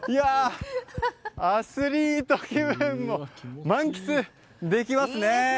アスリート気分も満喫できますね。